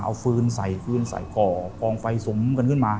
เอาฟืนใส่ฟืนใส่ก่อกองไฟสุมกันขึ้นมา